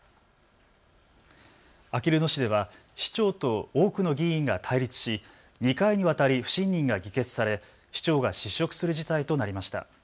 あきる野市では市長と多くの議員が対立し２回にわたり不信任が議決され市長が失職する事態となりました。